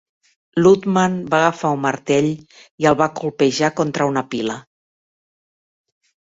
Ludman va agafar un martell i el va colpejar contra una pila.